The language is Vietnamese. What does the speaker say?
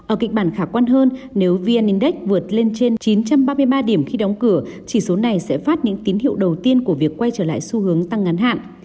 ở kịch bản khả quan hơn nếu vn index vượt lên trên chín trăm ba mươi ba điểm khi đóng cửa chỉ số này sẽ phát những tín hiệu đầu tiên của việc quay trở lại xu hướng tăng ngắn hạn